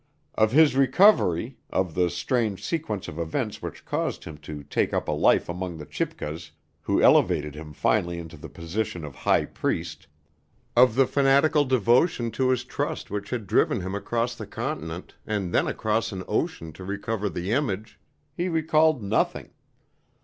Of his recovery, of the strange sequence of events which caused him to take up a life among the Chibcas, who elevated him finally into the position of high priest, of the fanatical devotion to his trust which had driven him across the continent and then across an ocean to recover the image, he recalled nothing.